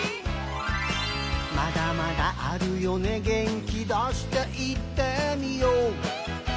「まだまだあるよね元気出して言ってみよう」